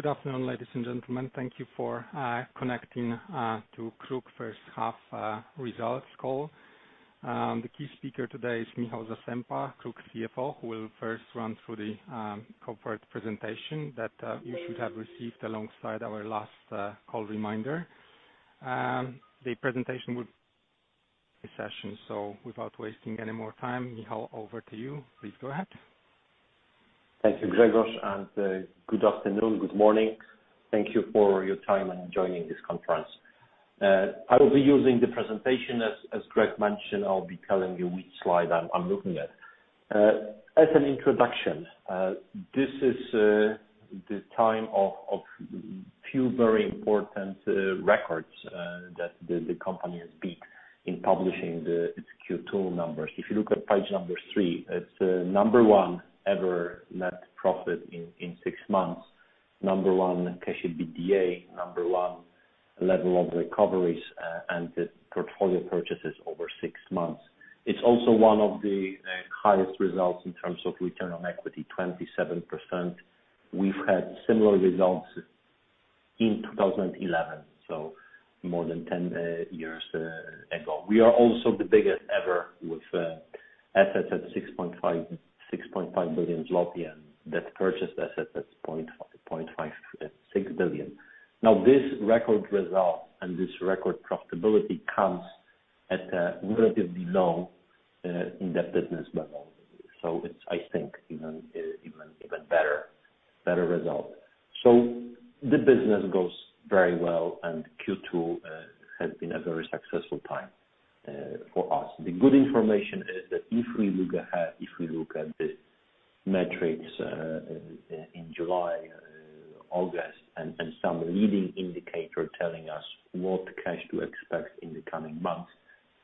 Good afternoon, ladies and gentlemen. Thank you for connecting to KRUK first half results call. The key speaker today is Michał Zasępa, KRUK CFO, who will first run through the corporate presentation that you should have received alongside our last call reminder. The presentation web session, so without wasting any more time, Michał, over to you. Please go ahead. Thank you, Gregos, and good afternoon. Good morning. Thank you for your time and joining this conference. I will be using the presentation as Greg mentioned, I'll be telling you which slide I'm looking at. As an introduction, this is the time of few very important records that the company has beat in publishing its Q2 numbers. If you look at page three, it's number one ever net profit in six months. Number one, cash EBITDA. Number one, level of recoveries, and the portfolio purchases over six months. It's also one of the highest results in terms of return on equity, 27%. We've had similar results in 2011, so more than 10 years ago. We are also the biggest ever with assets at 6.5 billion and debt purchased assets at 0.56 billion. Now, this record result and this record profitability comes at a relatively low in that business level. It's, I think, even better result. The business goes very well, and Q2 has been a very successful time for us. The good information is that if we look ahead, if we look at the metrics in July, August, and some leading indicator telling us what cash to expect in the coming months,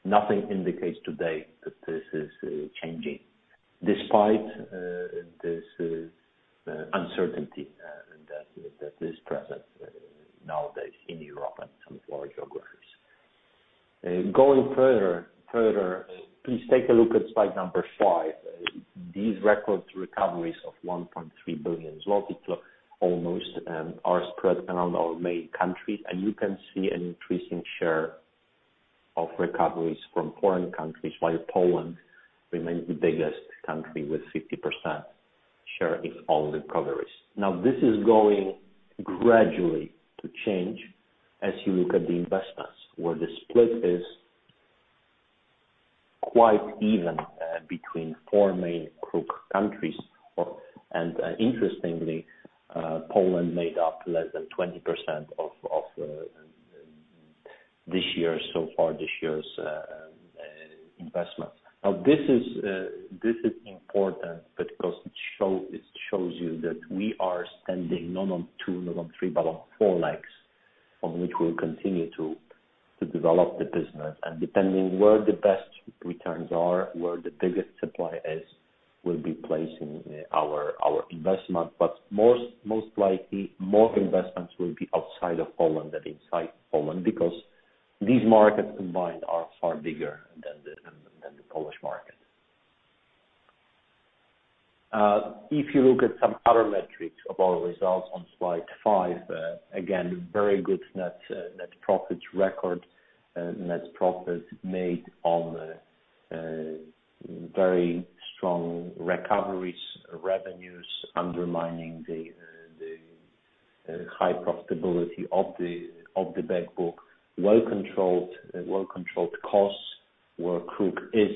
nothing indicates today that this is changing, despite this uncertainty that is present nowadays in Europe and some large geographies. Going further, please take a look at slide number five. These record recoveries of 1.3 billion zloty almost are spread around our main countries, and you can see an increasing share of recoveries from foreign countries while Poland remains the biggest country with 50% share in all recoveries. Now, this is going gradually to change as you look at the investments, where the split is quite even between four main KRUK countries. Interestingly, Poland made up less than 20% of so far this year's investment. Now, this is important because it shows you that we are standing not on two, not on three, but on four legs, on which we'll continue to develop the business. Depending where the best returns are, where the biggest supply is, we'll be placing our investment. But most likely, more investments will be outside of Poland than inside Poland, because these markets combined are far bigger than the Polish market. If you look at some other metrics of our results on slide five, again, very good net profits record, net profit made on very strong recoveries, revenues underpinning the high profitability of the back book, well controlled costs, where KRUK is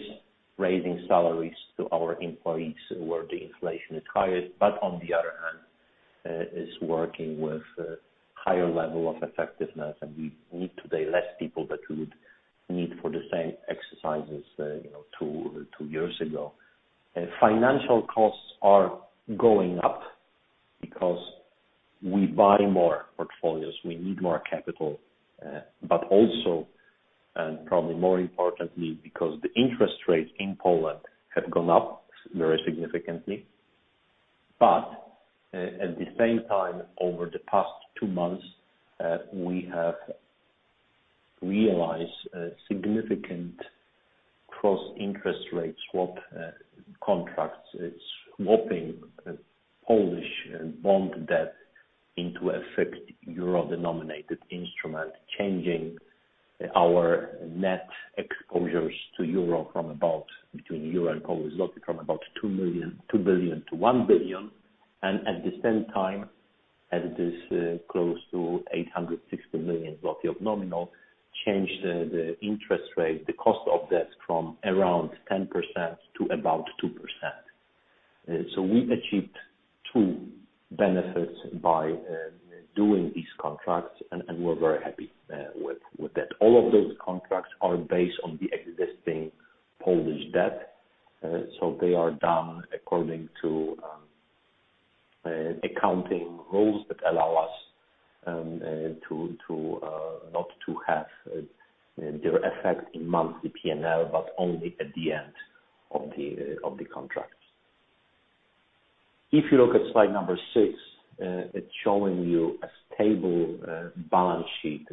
raising salaries to our employees where the inflation is highest, but on the other hand, is working with higher level of effectiveness. We need today less people that we would need for the same exercises, you know, two years ago. Financial costs are going up because we buy more portfolios, we need more capital, but also, and probably more importantly, because the interest rates in Poland have gone up very significantly. At the same time, over the past two months, we have realized a significant cross-currency interest rate swap contracts. It's swapping Polish bond debt into a fixed euro-denominated instrument, changing our net exposures to euro from about between euro and Polish zloty from about 2 billion to 1 billion. And at the same time, as it is close to 860 million of nominal, change the interest rate, the cost of debt from around 10% to about 2%. We achieved two benefits by doing these contracts, and we're very happy with that. All of those contracts are based on the existing Polish debt, so they are done according to accounting rules that allow us to not have their effect in monthly P&L, but only at the end of the contracts. If you look at slide number six, it's showing you a stable balance sheet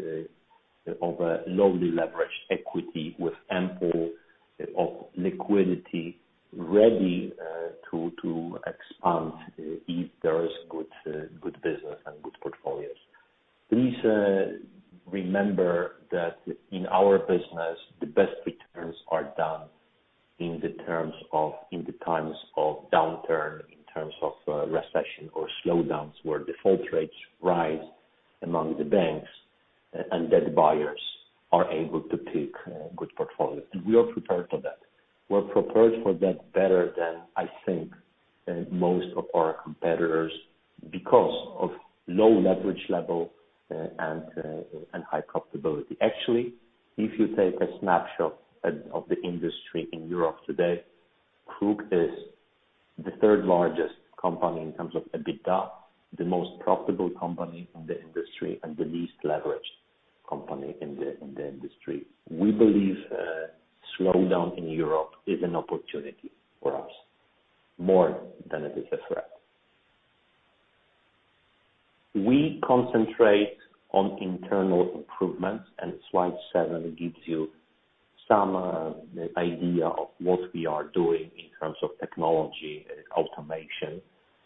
of a lowly leveraged equity with ample liquidity ready to expand if there is good business and good portfolios. Please remember that in our business, the best returns are done in the times of downturn, in terms of recession or slowdowns, where default rates rise among the banks and that buyers are able to pick good portfolios. We are prepared for that. We're prepared for that better than, I think, most of our competitors because of low leverage level, and high profitability. Actually, if you take a snapshot of the industry in Europe today, KRUK is the third largest company in terms of EBITDA, the most profitable company in the industry, and the least leveraged company in the industry. We believe, slowdown in Europe is an opportunity for us more than it is a threat. We concentrate on internal improvements, and slide seven gives you some idea of what we are doing in terms of technology automation.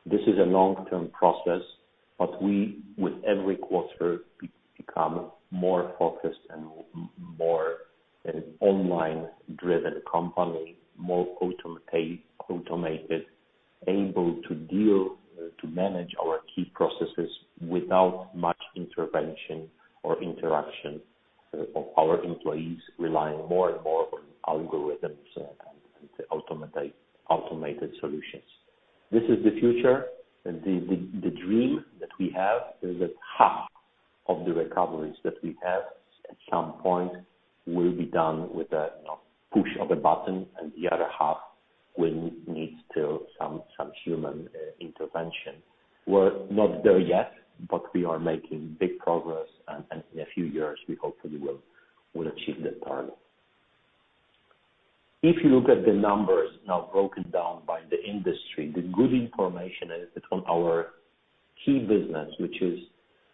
This is a long-term process, but we, with every quarter, become more focused and more an online-driven company. More automated, able to deal to manage our key processes without much intervention or interaction of our employees, relying more and more on algorithms and automated solutions. This is the future. The dream that we have is that half of the recoveries that we have at some point will be done with a you know push of a button, and the other half will need still some human intervention. We're not there yet, but we are making big progress, and in a few years we hopefully will achieve that target. If you look at the numbers now broken down by the industry, the good information is that on our key business, which is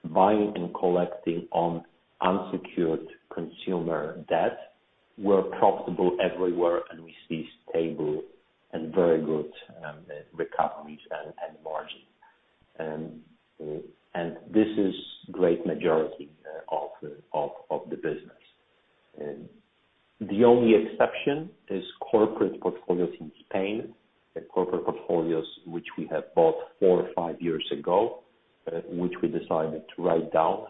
buying and collecting on unsecured consumer debt, we're profitable everywhere and we see stable and very good recoveries and margin. This is the great majority of the business. The only exception is corporate portfolios in Spain. The corporate portfolios which we have bought four or five years ago, which we decided to write down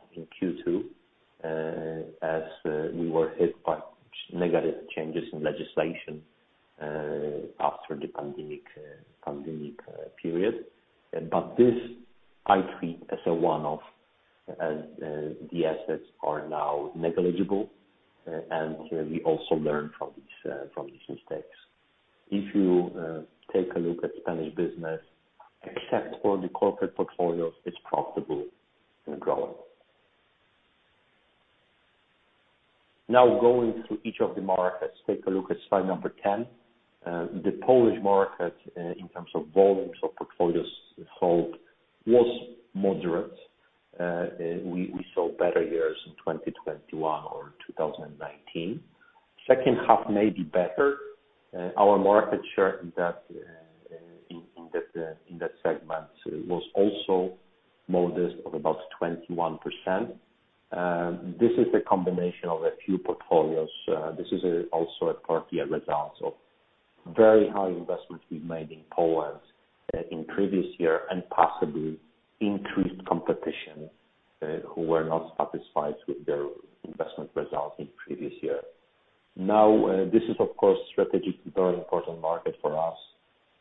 possibly increased competition who were not satisfied with their investment results in previous year. Now, this is of course strategically very important market for us.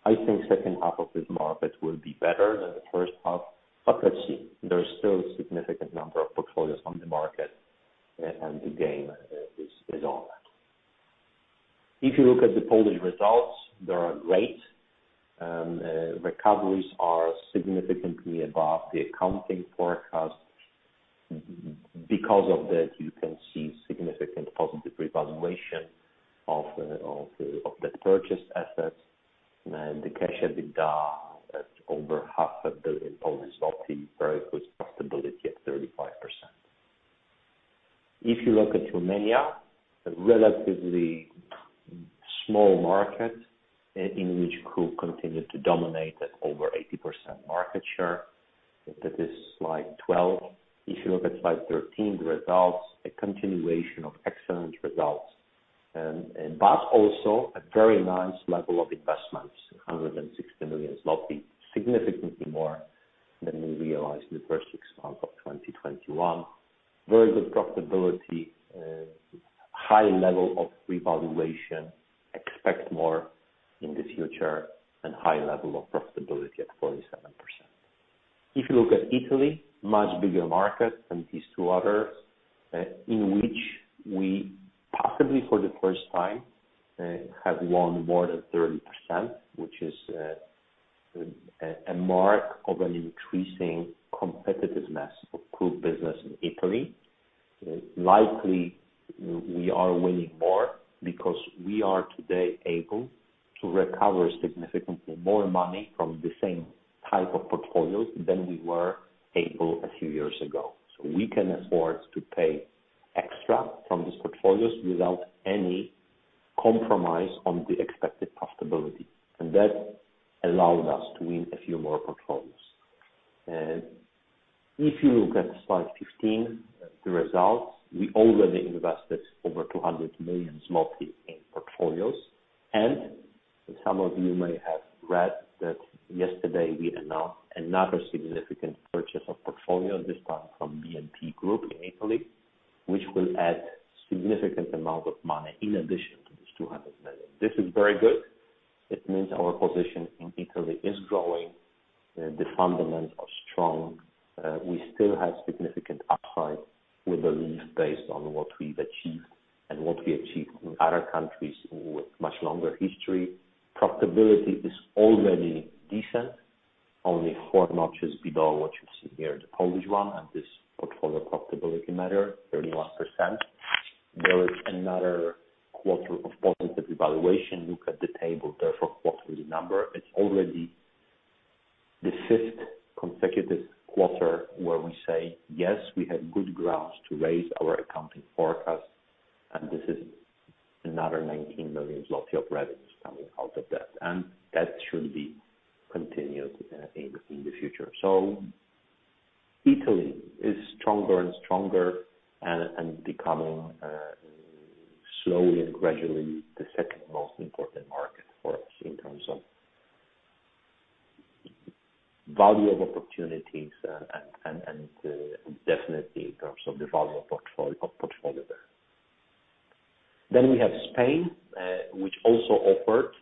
I think second half of this market will be better than the first half, but let's see. There's still a significant number of portfolios on the market and the game is on. If you look at the Polish results, they are great. Recoveries are significantly above the accounting forecast. Because of that, you can see significant positive revaluation of the purchased assets. The cash EBITDA at over 500,000,000 Polish zloty. Very good profitability at 35%. If you look at Romania, a relatively small market in which KRUK continued to dominate at over 80% market share. That is slide 12. If you look at slide 13, the results, a continuation of excellent results, and but also a very nice level of investments, 160 million zloty. Significantly more than we realized in the first six months of 2021. Very good profitability. High level of revaluation. Expect more in the future and high level of profitability at 47%. If you look at Italy, much bigger market than these two others, in which we possibly for the first time have won more than 30%, which is a mark of an increasing competitiveness of KRUK business in Italy. Likely we are winning more because we are today able to recover significantly more money from the same type of portfolios than we were able a few years ago. So we can afford to pay extra for these portfolios without any compromise on the expected profitability. That allowed us to win a few more portfolios. If you look at slide 15, the results, we already invested over 200 million zloty in portfolios. Some of you may have read that yesterday we announced another significant purchase of portfolio, this one from BNP Group in Italy, which will add significant amount of money in addition to this 200 million. This is very good. It means our position in Italy is growing, the fundamentals are strong. We still have significant upside with the lease based on what we've achieved and what we achieved in other countries with much longer history. Profitability is already decent, only four notches below what you see here, the Polish one and this portfolio profitability measure 31%. There is another quarter of positive revaluation. Look at the table there for quarterly number. It's already the fifth consecutive quarter where we say, "Yes, we have good grounds to raise our accounting forecast," and this is another 19 million of revenues coming out of that. That should be continued in the future. Italy is stronger and stronger and becoming slowly and gradually the second most important market for us in terms of value of opportunities and definitely in terms of the value of portfolio there. We have Spain which also offered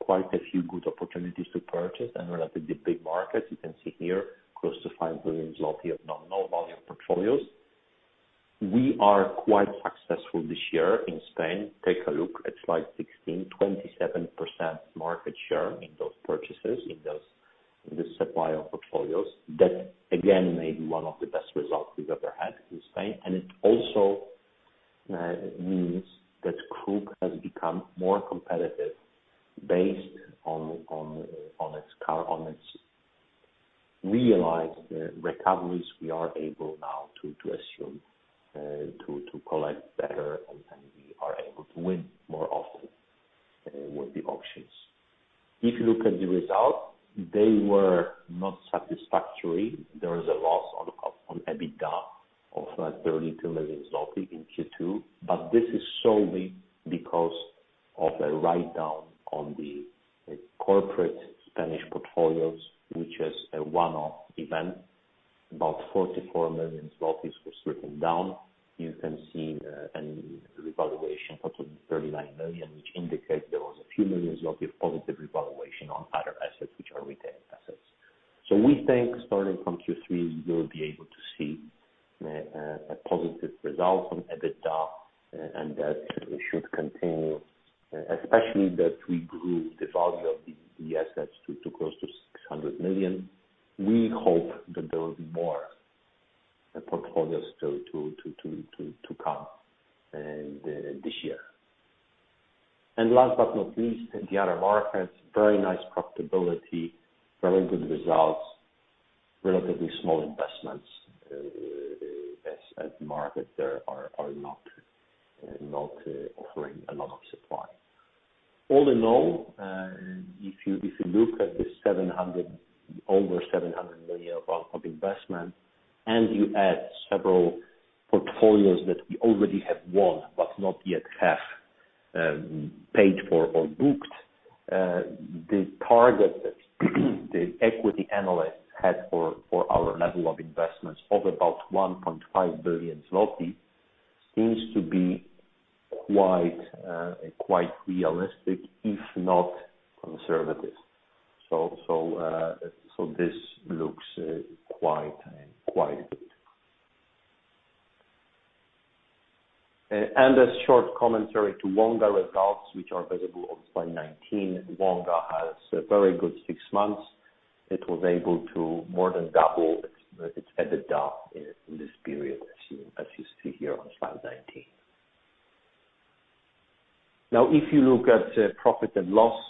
quite a few good opportunities to purchase and relatively big markets. You can see here close to 5 billion zloty of NPL volume portfolios. We are quite successful this year in Spain. Take a look at slide 16, 27% market share in those purchases in this supply of portfolios. That again may be one of the best results we've ever had in Spain. It also means that KRUK has become more competitive based on its realized recoveries. We are able now to collect better, and we are able to win more often with the auctions. If you look at the results, they were not satisfactory. There is a loss on EBITDA of 32 million zloty in Q2, but this is solely because of a write down on the corporate Spanish portfolios, which is a one-off event. About 44 million zlotys was written down. You can see a revaluation of 39 million, which indicates there was a few million zloty of positive revaluation on other assets which are retained assets. We think starting from Q3, you'll be able to see a positive result from EBITDA and that it should continue, especially that we grew the value of the assets to close to 600 million. We hope that there will be more portfolios to come this year. Last but not least, the other markets, very nice profitability, very good results, relatively small investments, as markets there are not offering a lot of supply. All in all, if you look at over PLN 700 million of investment and you add several portfolios that we already have won but not yet paid for or booked, the target that the equity analysts had for our level of investments of about PLN 1.5 billion seems to be quite realistic, if not conservative. This looks quite good. A short commentary to Wonga results which are visible on slide 19. Wonga has a very good six months. It was able to more than double its EBITDA in this period, as you see here on slide 19. Now if you look at profit and loss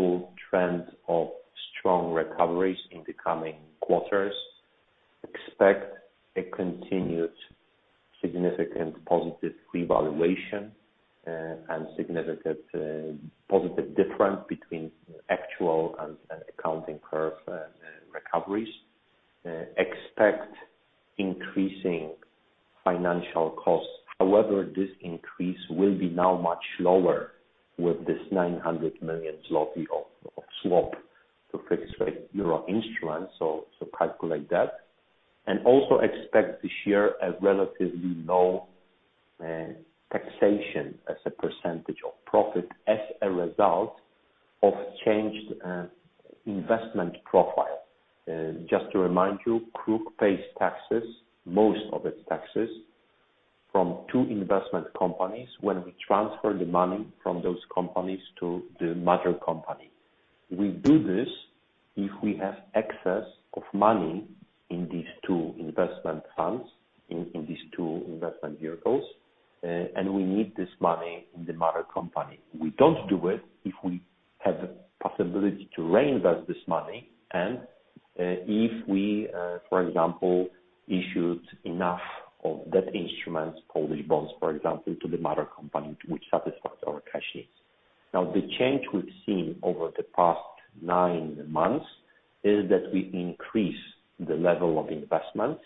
at slides 20 and 21, a few more comments. Expect stable trends of strong recoveries in the coming quarters. Expect a continued significant positive revaluation, and significant positive difference between actual and accounting for recoveries. Expect increasing financial costs. However, this increase will be now much lower with this 900 million zloty of swap to fixed rate euro instruments, so calculate that. Also expect this year a relatively low taxation as a percentage of profit as a result of changed investment profile. Just to remind you, KRUK pays taxes, most of its taxes from two investment companies when we transfer the money from those companies to the mother company. We do this if we have excess of money in these two investment funds, in these two investment vehicles, and we need this money in the mother company. We don't do it if we have the possibility to reinvest this money and, if we, for example, issued enough of debt instruments, Polish bonds, for example, to the parent company, which satisfies our cash needs. Now, the change we've seen over the past nine months is that we increase the level of investment,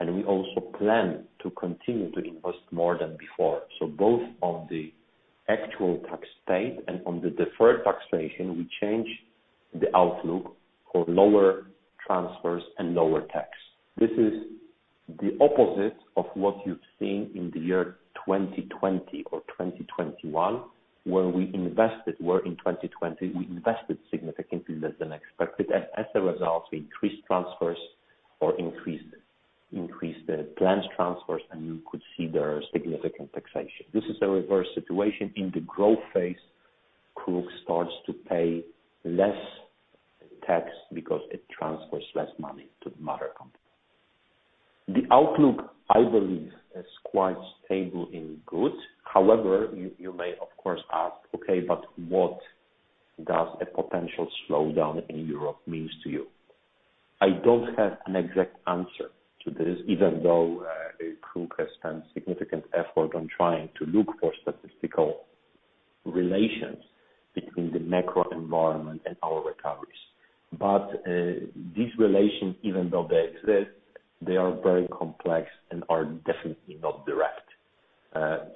and we also plan to continue to invest more than before. Both on the actual tax paid and on the deferred taxation, we change the outlook for lower transfers and lower tax. This is the opposite of what you've seen in the year 2020 or 2021, where we invested, in 2020 we invested significantly less than expected. As a result, we increased transfers or increased planned transfers, and you could see there was significant taxation. This is a reverse situation. In the growth phase, KRUK starts to pay less tax because it transfers less money to the mother company. The outlook, I believe, is quite stable and good. However, you may of course ask, "Okay, but what does a potential slowdown in Europe means to you?" I don't have an exact answer to this, even though KRUK has spent significant effort on trying to look for statistical relations between the macro environment and our recoveries. These relations, even though they exist, they are very complex and are definitely not direct.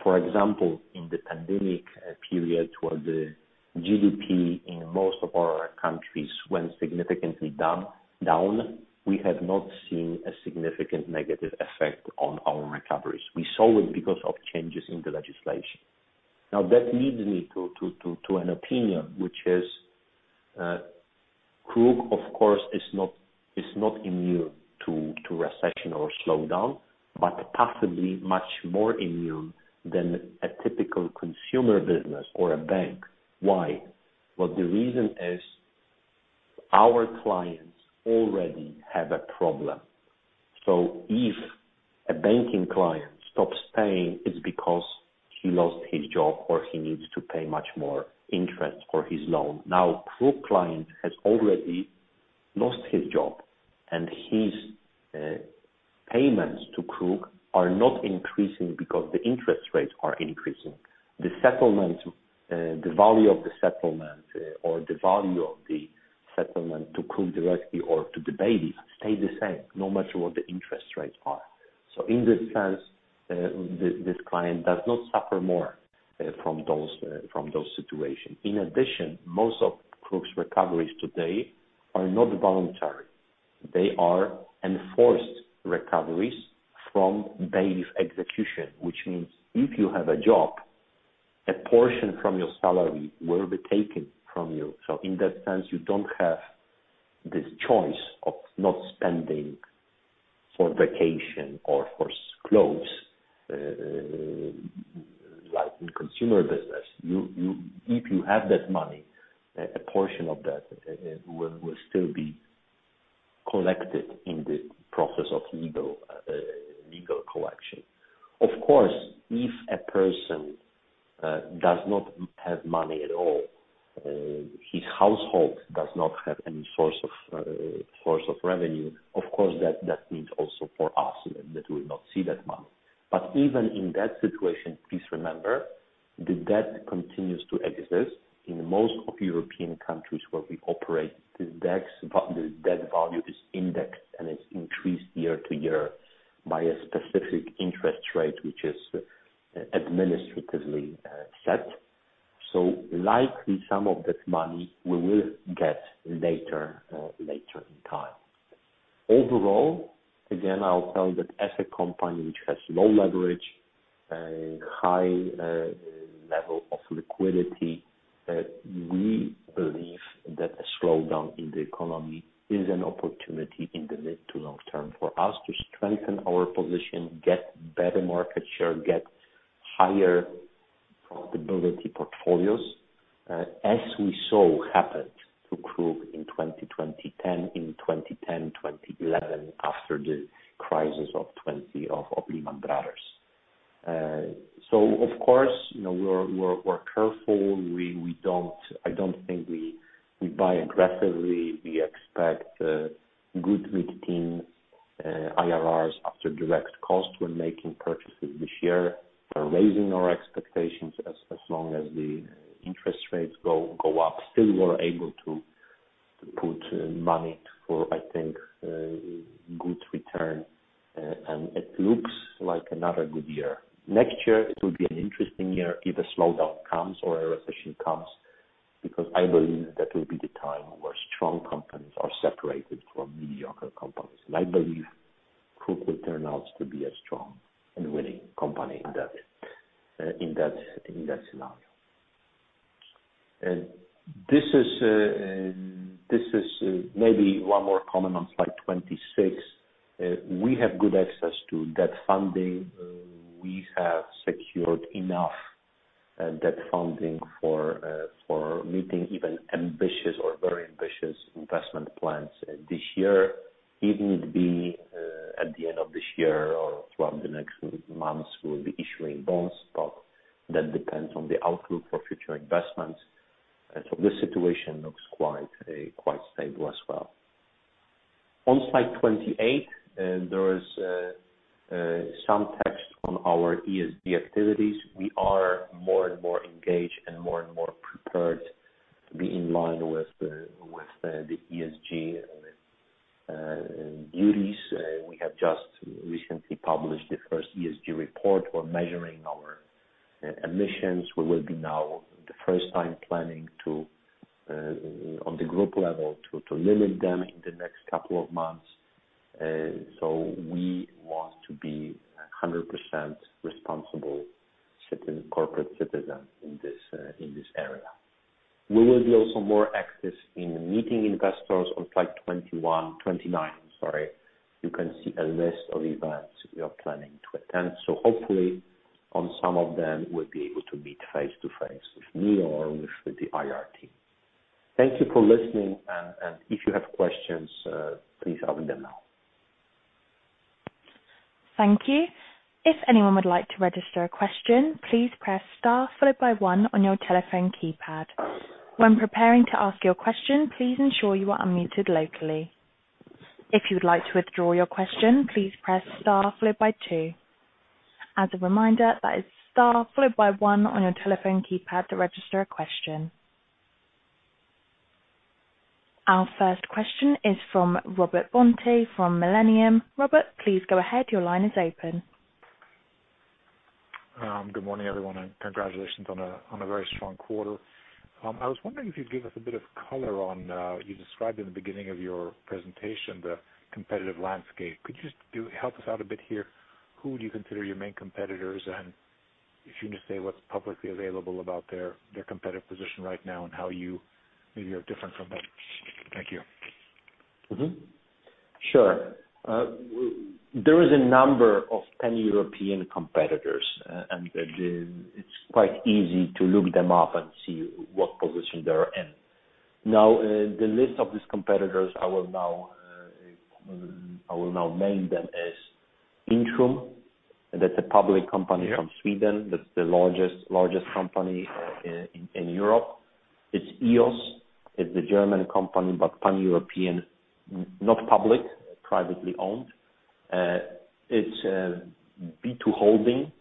For example, in the pandemic period, where the GDP in most of our countries went significantly down, we have not seen a significant negative effect on our recoveries. We saw it because of changes in the legislation. Now, that leads me to an opinion, which is, KRUK, of course, is not immune to recession or slowdown, but possibly much more immune than a typical consumer business or a bank. Why? Well, the reason is, our clients already have a problem. If a banking client stops paying, it's because he lost his job or he needs to pay much more interest for his loan. Now, KRUK client has already lost his job, and his payments to KRUK are not increasing because the interest rates are increasing. The value of the settlement to KRUK directly or to the buyer stays the same no matter what the interest rates are. In this sense, this client does not suffer more from those situations. In addition, most of KRUK's recoveries today are not voluntary. They are enforced recoveries from bailiff execution, which means if you have a job, a portion from your salary will be taken from you. In that sense, you don't have this choice of not spending for vacation or for clothes, like in consumer business. If you have that money, a portion of that will still be collected in the process of legal collection. Of course, if a person does not have money at all, his household does not have any source of revenue. Of course that means also for us that we'll not see that money. Even in that situation, please remember, the debt continues to exist. In most European countries where we operate, the debt value is indexed and is increased year to year by a specific interest rate, which is administratively set. Likely some of this money we will get later in time. Overall, again, I'll tell that as a company which has low leverage and high level of liquidity, we believe that a slowdown in the economy is an opportunity in the mid to long term for us to strengthen our position, get better market share, get higher profitability portfolios, as we saw happened to KRUK in 2010, 2011 after the crisis of Lehman Brothers. Of course, you know, we're careful. We don't. I don't think we buy aggressively. We expect good mid-teen IRRs after direct costs. We're making purchases this year. We're raising our expectations as long as the interest rates go up. Still we're able to put money for, I think, a good return. It looks like another good year. Next year, it will be an interesting year if a slowdown comes or a recession comes, because I believe that will be the time where strong companies are separated from mediocre companies. I believe KRUK will turn out to be a strong and winning company in that scenario. This is maybe one more comment on slide 26. We have good access to that funding. followed by one on your telephone keypad. When preparing to ask your question, please ensure you are unmuted locally. If you would like to withdraw your question, please press star followed by two. As a reminder, that is star followed by one on your telephone keypad to register a question. Our first question is from Robert Bonte from Millennium. Robert, please go ahead. Your line is open. Good morning, everyone, and congratulations on a very strong quarter. I was wondering if you'd give us a bit of color on, you described in the beginning of your presentation, the competitive landscape. Could you just help us out a bit here? Who would you consider your main competitors? If you can just say what's publicly available about their competitive position right now and how you maybe are different from them. Thank you. There is a number of Pan-European competitors. It's quite easy to look them up and see what position they're in. The list of these competitors, I will name them as Intrum. That's a public company from Sweden. That's the largest company in Europe. It's EOS. It's a German company, but Pan-European, not public, privately owned. It's B2 Holding,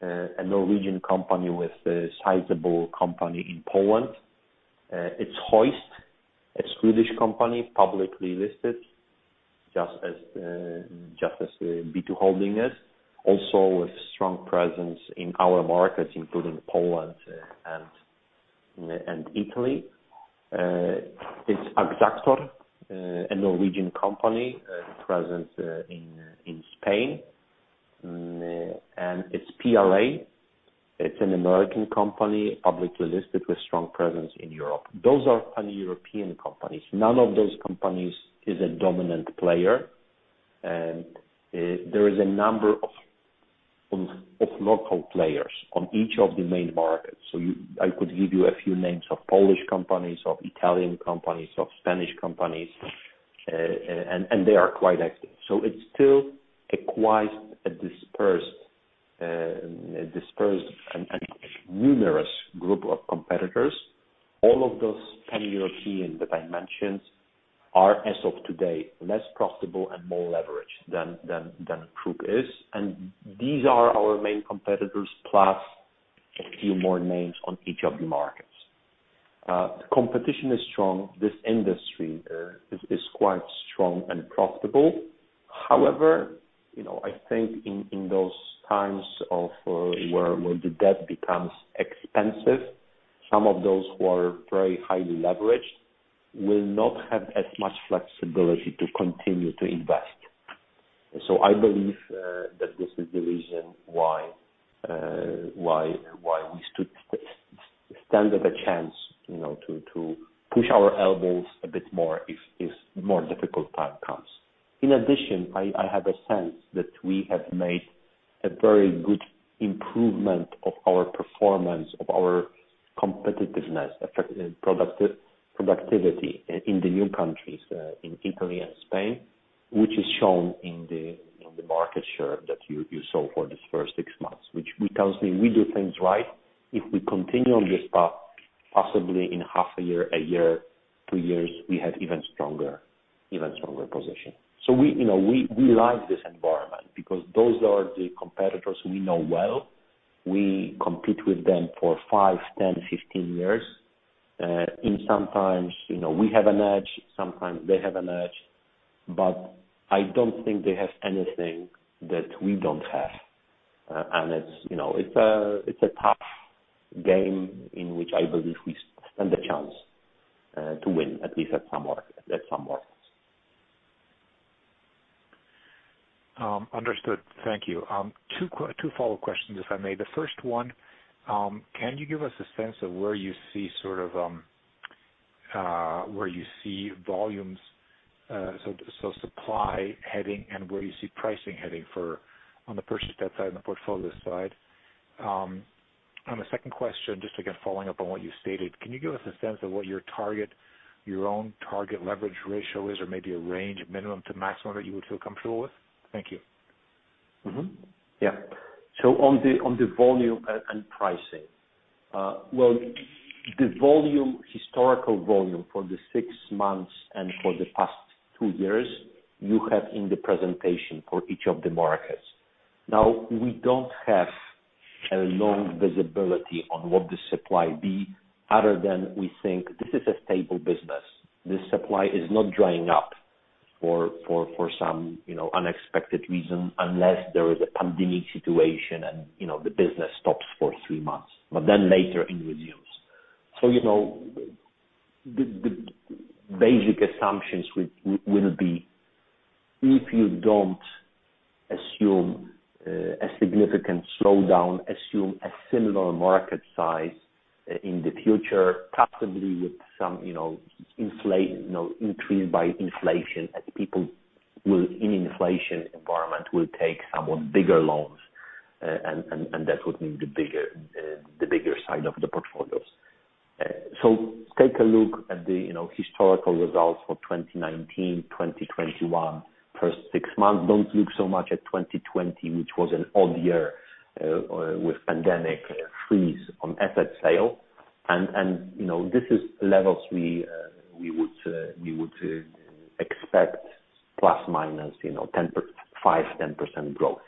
a Norwegian company with a sizable company in Poland. It's Hoist, a Swedish company, publicly listed, just as B2 Holding is also a strong presence in our markets, including Poland and Italy. It's Axactor, a Norwegian company, present in Spain. And it's PRA. It's an American company, publicly listed with strong presence in Europe. Those are Pan-European companies. None of those companies is a dominant player. There is a number of local players on each of the main markets. I could give you a few names of Polish companies, of Italian companies, of Spanish companies, and they are quite active. It's still a quite dispersed and numerous group of competitors. All of those Pan-European that I mentioned are, as of today, less profitable and more leveraged than KRUK is. These are our main competitors, plus a few more names on each of the markets. The competition is strong. This industry is quite strong and profitable. However, you know, I think in those times of where the debt becomes expensive, some of those who are very highly leveraged will not have as much flexibility to continue to invest. I believe that this is the reason why we stand a chance, you know, to push our elbows a bit more if more difficult time comes. In addition, I have a sense that we have made a very good improvement of our performance, of our competitiveness, productivity in the new countries in Italy and Spain, which is shown in the, you know, the market share that you saw for this first six months, which we constantly do things right. If we continue on this path, possibly in half a year, a year, two years, we have even stronger, even stronger position. We like this environment because those are the competitors we know well. We compete with them for five, 10, 15 years. At times, you know, we have an edge, sometimes they have an edge. I don't think they have anything that we don't have. It's a tough game in which I believe we stand a chance to win at least some more. Understood. Thank you. Two follow-up questions, if I may. The first one, can you give us a sense of where you see volumes so supply heading and where you see pricing heading for on the purchased debt side and the portfolio side? On the second question, just again, following up on what you stated, can you give us a sense of what your own target leverage ratio is or maybe a range of minimum to maximum that you would feel comfortable with? Thank you. Yeah. On the volume and pricing. Well, the volume, historical volume for the six months and for the past two years, you have in the presentation for each of the markets. Now, we don't have a long visibility on what the supply be other than we think this is a stable business. This supply is not drying up for some, you know, unexpected reason unless there is a pandemic situation and, you know, the business stops for three months, but then later it resumes. You know, the basic assumptions will be if you don't assume a significant slowdown, assume a similar market size in the future, possibly with some, you know, increased by inflation as people will, in inflation environment, will take somewhat bigger loans. That would mean the bigger side of the portfolios. Take a look at the historical results for 2019, 2021 first six months. Don't look so much at 2020, which was an odd year with pandemic freeze on asset sale. This is levels we would expect plus minus, you know, 5%, 10% growth.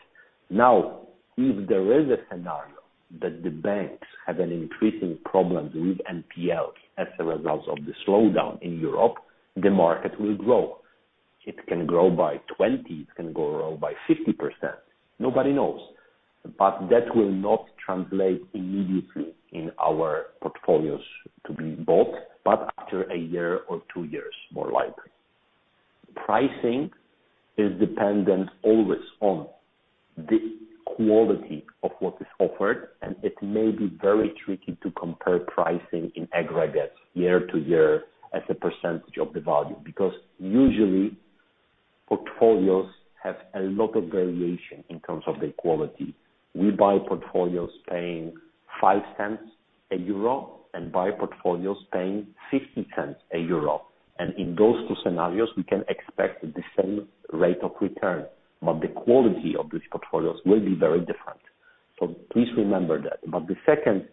If there is a scenario that the banks have an increasing problem with NPL as a result of the slowdown in Europe, the market will grow. It can grow by 20%, it can grow by 50%. Nobody knows. That will not translate immediately in our portfolios to be bought, but after a year or two years, more likely. Pricing is dependent always on the quality of what is offered, and it may be very tricky to compare pricing in aggregate year to year as a percentage of the value. Because usually, portfolios have a lot of variation in terms of the quality. We buy portfolios paying 0.05 and buy portfolios paying 0.50. In those two scenarios, we can expect the same rate of return, but the quality of these portfolios will be very different. Please remember that. The second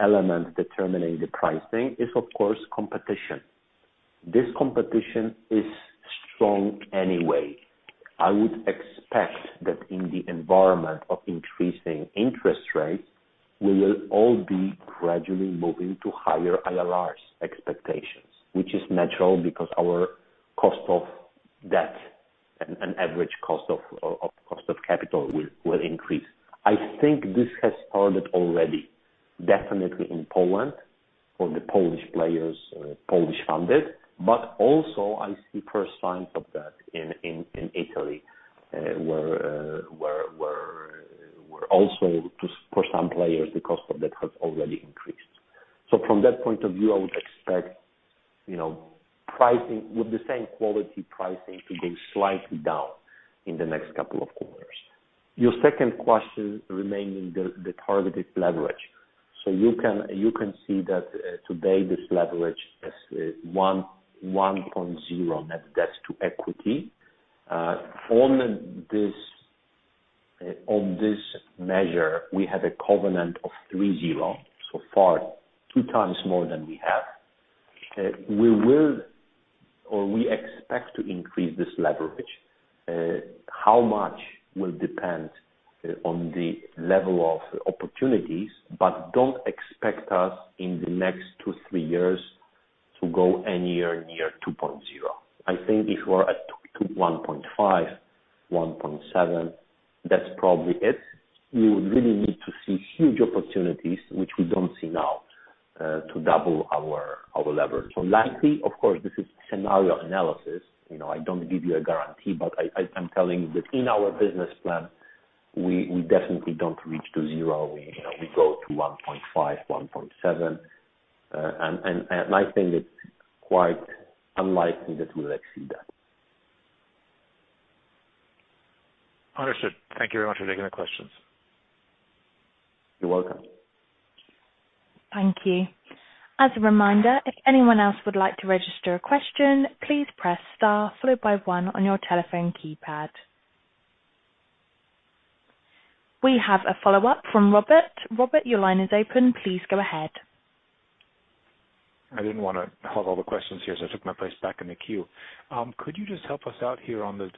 element determining the pricing is of course competition. This competition is strong anyway. I would expect that in the environment of increasing interest rates, we will all be gradually moving to higher IRRs expectations, which is natural because our cost of debt and average cost of capital will increase. I think this has started already, definitely in Poland for the Polish players, Polish funded. Also I see first signs of that in Italy, where also just for some players the cost of debt has already increased. From that point of view, I would expect, you know, pricing with the same quality pricing to go slightly down in the next couple of quarters. Your second question remaining the targeted leverage. You can see that today this leverage is 1.0 net debt to equity. On this measure, we have a covenant of 3.0, so far 2x more than we have. We will or we expect to increase this leverage. How much will depend on the level of opportunities, but don't expect us in the next two to three years to go any year near 2.0. I think if we're at 1.5-1.7, that's probably it. You would really need to see huge opportunities which we don't see now to double our leverage. Likely, of course, this is scenario analysis. You know, I don't give you a guarantee. I'm telling you that in our business plan, we definitely don't reach 2.0. You know, we go to 1.5-1.7. I think it's quite unlikely that we'll exceed that. Understood. Thank you very much for taking the questions. You're welcome. Thank you. As a reminder, if anyone else would like to register a question, please press star followed by one on your telephone keypad. We have a follow-up from Robert. Robert, your line is open. Please go ahead. I didn't wanna hog all the questions here, so I took my place back in the queue. Could you just help us out here on the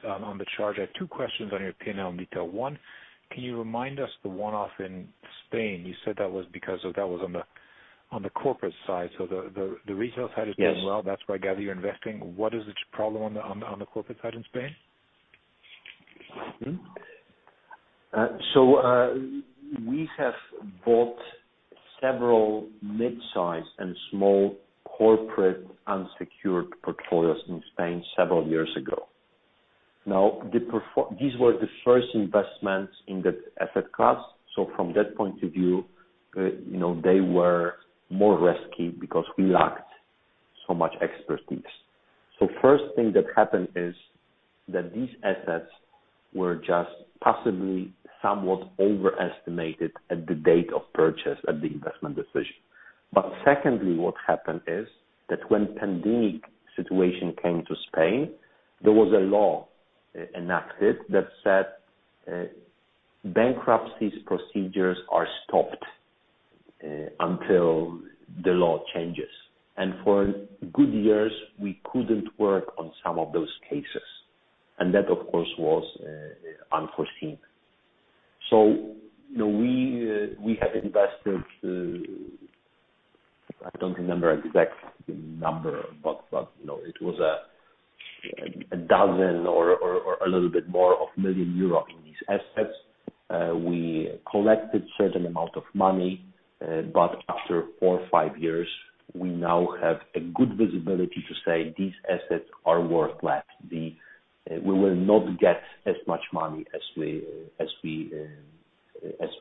chart? I have two questions on your P&L in detail. One, can you remind us the one-off in Spain? You said that was on the corporate side. The retail side is- Yes. Doing well. That's why I gather you're investing. What is the problem on the corporate side in Spain? We have bought several midsize and small corporate unsecured portfolios in Spain several years ago. Now, these were the first investments in the asset class, so from that point of view, you know, they were more risky because we lacked so much expertise. First thing that happened is that these assets were just possibly somewhat overestimated at the date of purchase at the investment decision. Second, what happened is that when pandemic situation came to Spain, there was a law enacted that said, bankruptcy procedures are stopped until the law changes. For a good few years, we couldn't work on some of those cases. That, of course, was unforeseen. You know, we have invested. I don't remember exact number, but you know, it was EUR 12 million or a little bit more in these assets. We collected certain amount of money, but after four or five years, we now have a good visibility to say these assets are worth less. We will not get as much money as we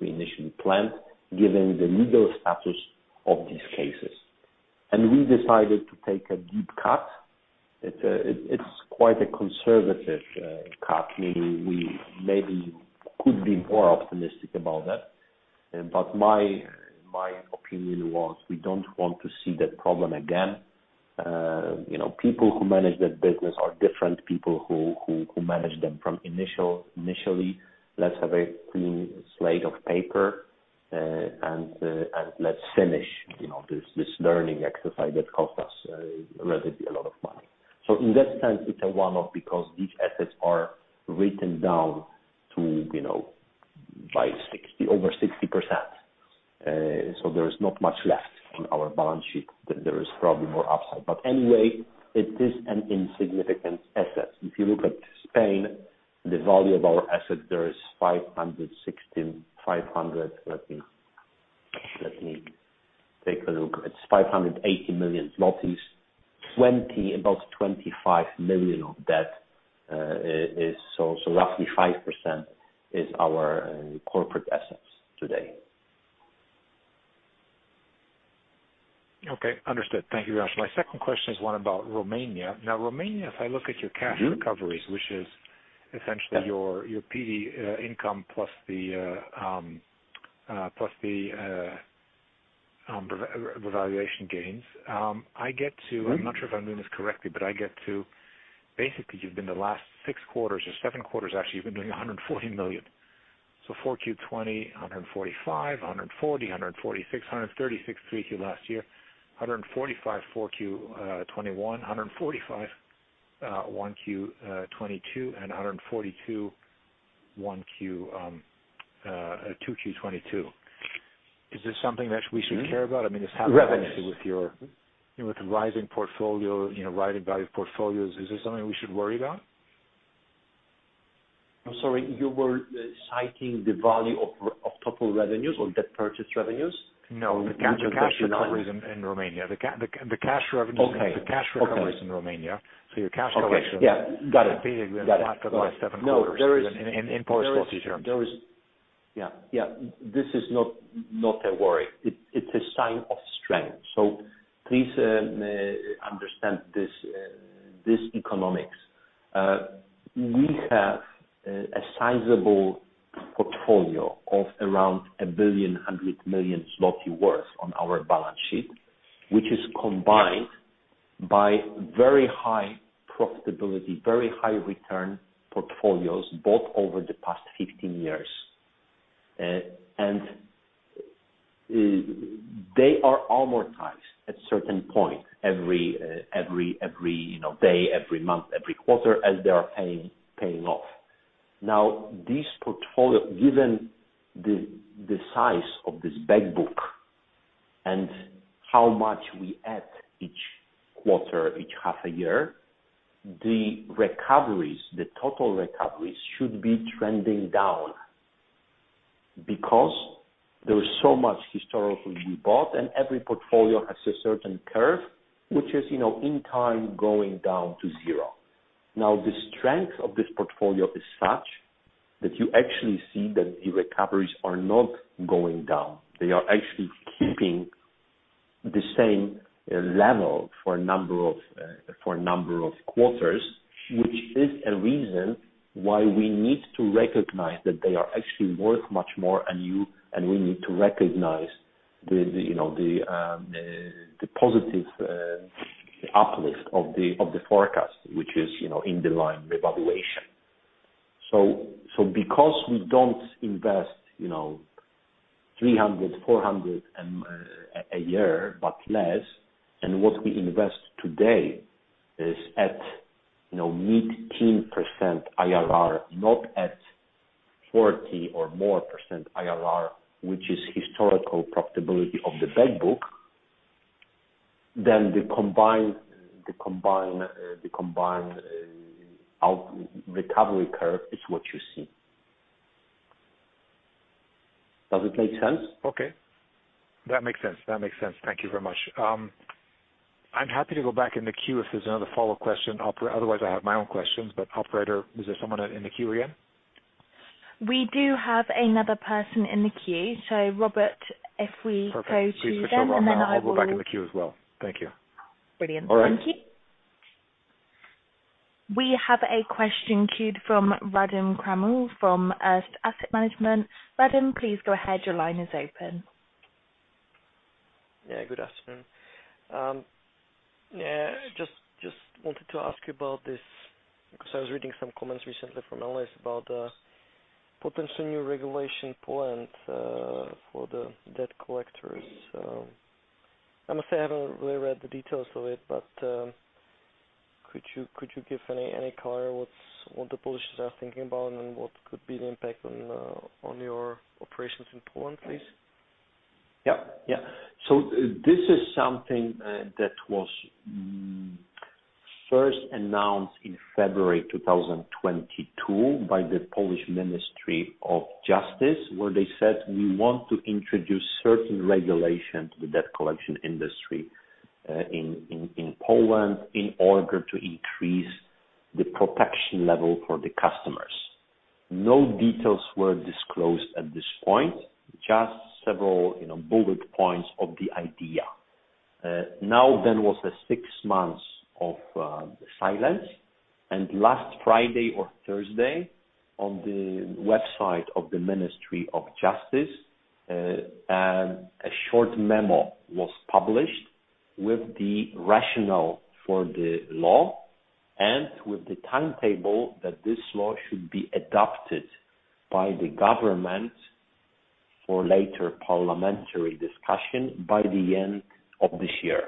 initially planned, given the legal status of these cases. We decided to take a deep cut. It's quite a conservative cut. Maybe we could be more optimistic about that. But my opinion was, we don't want to see that problem again. You know, people who manage that business are different people who managed them initially. Let's have a clean slate of paper, and let's finish, you know, this learning exercise that cost us relatively a lot of money. In that sense, it's a one-off because these assets are written down to, you know, by 60%, over 60%. There is not much left on our balance sheet. There is probably more upside. Anyway, it is an insignificant asset. If you look at Spain, the value of our asset there is 580 million. About 25 million of debt is so roughly 5% is our corporate assets today. Okay. Understood. Thank you, Jan. My second question is one about Romania. Now, Romania, if I look at your cash- Mm-hmm. recoveries, which is essentially Yeah. your PD income plus the revaluation gains, I get to- Mm-hmm. I'm not sure if I'm doing this correctly, but I get to, basically you've been the last six quarters or seven quarters, actually, you've been doing 140 million. So 4Q 2020, 145 million, 140 million, 146 million, 136 million, 3Q last year, 145 million, 4Q 2021, 145 million, 1Q 2022 and PLN 142 million, 1Q, 2Q 2022. Is this something that we should care about? Mm-hmm. I mean, it's happening with your. Revenues. You know, with the rising portfolio, you know, rising value of portfolios. Is this something we should worry about? I'm sorry, you were citing the value of total revenues or debt purchase revenues? No. The cash and cash recoveries. The cash and cash recoveries in Romania. The cash revenues- Okay. Okay. the cash recoveries in Romania. Your cash recovery- Okay. Yeah. Got it. has been flat over the last seven quarters. No. In post-foreclosure terms. This is not a worry. It's a sign of strength. Please, understand this economics. We have a sizable portfolio of around 1.1 billion worth on our balance sheet, which is combined by very high profitability, very high return portfolios, both over the past 15 years. They are amortized at certain point every, you know, day, every month, every quarter, as they are paying off. Now, this portfolio, given the size of this bank book and how much we add each quarter, each half a year, the recoveries, the total recoveries should be trending down because there is so much historical we bought, and every portfolio has a certain curve, which is, you know, in time going down to zero. The strength of this portfolio is such that you actually see that the recoveries are not going down. They are actually keeping the same level for a number of quarters, which is a reason why we need to recognize that they are actually worth much more and you and we need to recognize the, you know, the positive uplift of the forecast, which is, you know, in the line revaluation. Because we don't invest, you know, 300, 400 a year, but less, and what we invest today is at, you know, mid-teen percent IRR, not at 40% or more IRR, which is historical profitability of the bank book. The combined out-recovery curve is what you see. Does it make sense? Okay. That makes sense. Thank you very much. I'm happy to go back in the queue if there's another follow-up question, otherwise I have my own questions, but operator, is there someone in the queue again? We do have another person in the queue. Robert, if we go to them. Perfect. Please push on. And then I will- I'll go back in the queue as well. Thank you. Brilliant. All right. Thank you. We have a question queued from Radim Kramule from Erste Asset Management. Radim, please go ahead. Your line is open. Yeah, good afternoon. I just wanted to ask you about this, because I was reading some comments recently from analysts about potential new regulation plans for the debt collectors. I must say I haven't really read the details of it, but could you give any color what the Polish are thinking about and what could be the impact on your operations in Poland, please? This is something that was first announced in February 2022 by the Polish Ministry of Justice, where they said, "We want to introduce certain regulations with debt collection industry in Poland in order to increase the protection level for the customers." No details were disclosed at this point, just several, you know, bullet points of the idea. Now then was the six months of silence. Last Friday or Thursday on the website of the Ministry of Justice, a short memo was published with the rationale for the law and with the timetable that this law should be adopted by the government for later parliamentary discussion by the end of this year.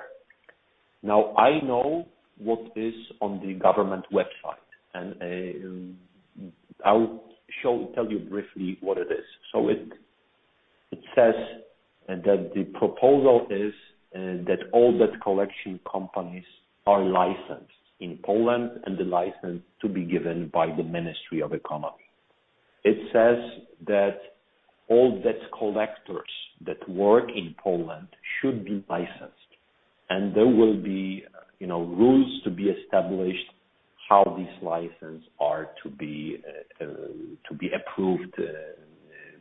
Now, I know what is on the government website, and I'll tell you briefly what it is. It says that the proposal is that all debt collection companies are licensed in Poland and the license to be given by the Ministry of Economy. It says that all debt collectors that work in Poland should be licensed, and there will be, you know, rules to be established how these licenses are to be approved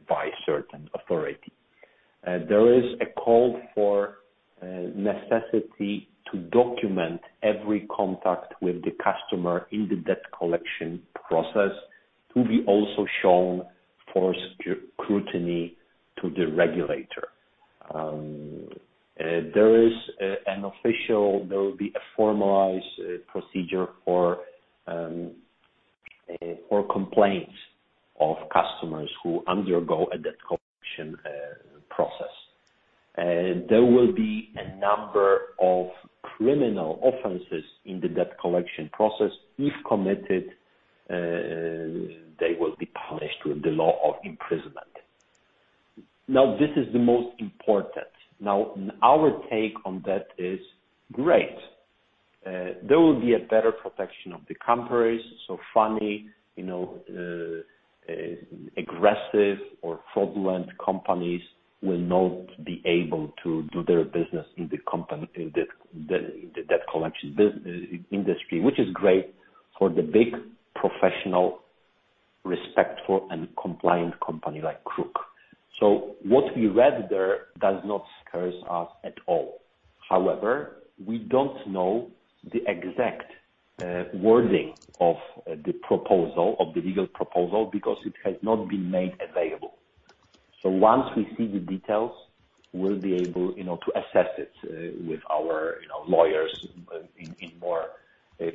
by certain authority. There is a call for necessity to document every contact with the customer in the debt collection process to be also shown for scrutiny to the regulator. There will be a formalized procedure for complaints of customers who undergo a debt collection process. There will be a number of criminal offenses in the debt collection process. If committed, they will be punished with the law of imprisonment. This is the most important. Our take on that is great. There will be a better protection of the companies from aggressive or fraudulent companies will not be able to do their business in the country, the debt collection industry, which is great for the big professional, respectful and compliant company like KRUK. What we read there does not scare us at all. However, we don't know the exact wording of the proposal, of the legal proposal because it has not been made available. Once we see the details, we'll be able, you know, to assess it with our, you know, lawyers in more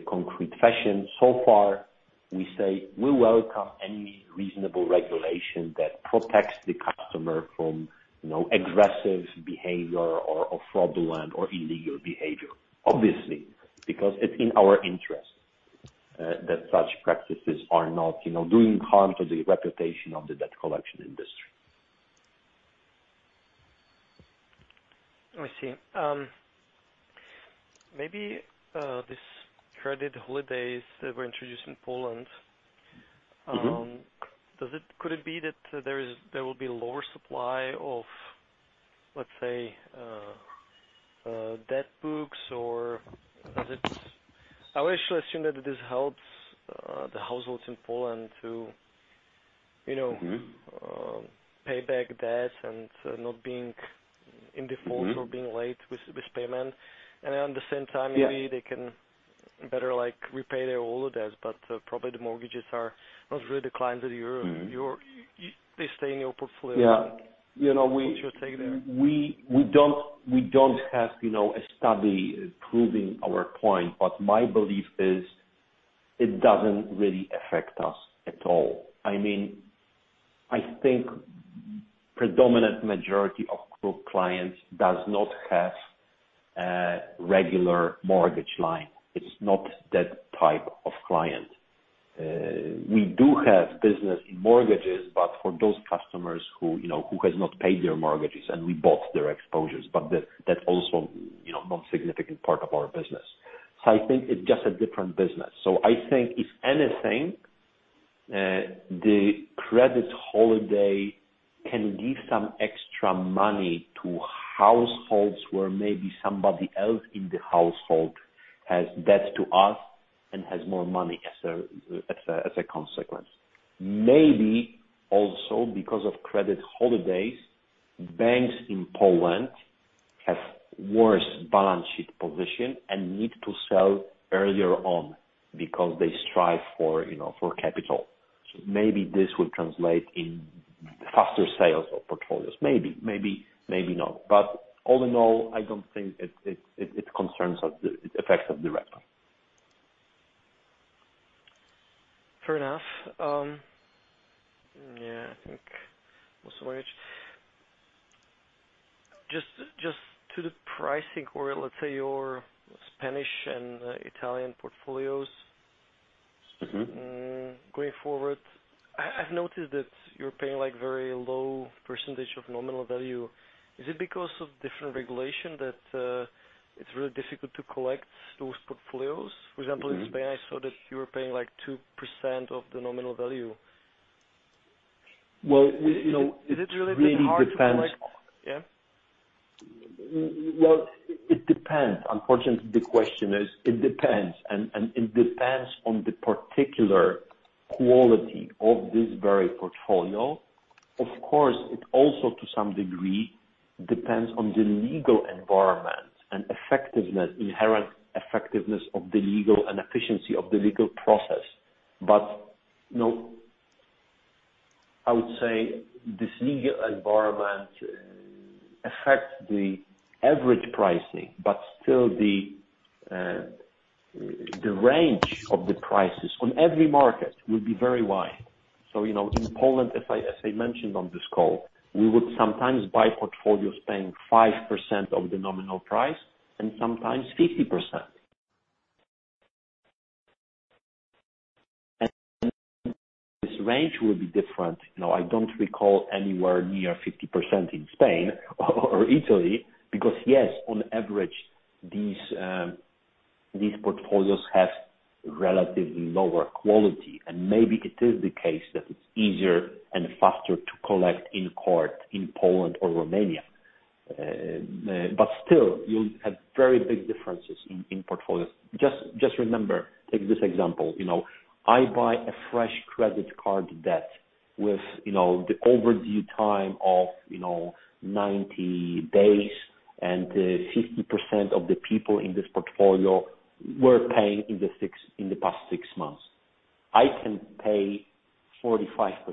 concrete fashion. So far, we say we welcome any reasonable regulation that protects the customer from, you know, aggressive behavior or fraudulent or illegal behavior, obviously, because it's in our interest that such practices are not, you know, doing harm to the reputation of the debt collection industry. I see. Maybe this credit holidays that were introduced in Poland. Mm-hmm. Could it be that there is, there will be lower supply of, let's say, debt books or does it. I always should assume that this helps the households in Poland to, you know Mm-hmm pay back debt and not being in default. Mm-hmm or being late with payment. At the same time Yeah. Maybe they can better, like, repay their older debts, but probably the mortgages are not really the clients that you're- Mm-hmm They stay in your portfolio. Yeah. You know, What's your take there? We don't have, you know, a study proving our point, but my belief is it doesn't really affect us at all. I mean, I think predominant majority of KRUK clients does not have a regular mortgage line. It's not that type of client. We do have business in mortgages, but for those customers who, you know, who has not paid their mortgages and we bought their exposures, but that also, you know, not significant part of our business. I think it's just a different business. I think if anything, the credit holiday can give some extra money to households where maybe somebody else in the household has debt to us and has more money as a consequence. Maybe also, because of credit holidays, banks in Poland have worse balance sheet position and need to sell earlier on because they strive for, you know, for capital. Maybe this would translate in faster sales of portfolios. Maybe. Maybe, maybe not. All in all, I don't think it concerns us, it affects us directly. Fair enough. Yeah, just to the pricing or let's say your Spanish and Italian portfolios. Mm-hmm. Going forward, I've noticed that you're paying like very low percentage of nominal value. Is it because of different regulation that it's really difficult to collect those portfolios? For example Mm-hmm. In Spain, I saw that you were paying like 2% of the nominal value. Well, we, you know, it really depends. Is it really very hard to collect? Yeah. Well, it depends. Unfortunately, the question is it depends. It depends on the particular quality of this very portfolio. Of course, it also to some degree depends on the legal environment and inherent effectiveness and efficiency of the legal process. You know, I would say this legal environment affects the average pricing, but still the range of the prices on every market will be very wide. You know, in Poland, as I mentioned on this call, we would sometimes buy portfolios paying 5% of the nominal price and sometimes 50%. This range will be different. You know, I don't recall anywhere near 50% in Spain or Italy, because yes, on average, these portfolios have relatively lower quality. Maybe it is the case that it's easier and faster to collect in court in Poland or Romania. Still, you'll have very big differences in portfolios. Just remember, take this example. You know, I buy a fresh credit card debt with, you know, the overdue time of, you know, 90 days, and 60% of the people in this portfolio were paying in the past six months. I can pay 45% for